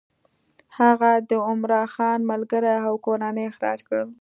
هغه د عمرا خان ملګري او کورنۍ اخراج کړل.